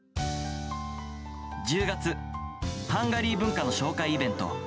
１０月、ハンガリー文化の紹介イベント。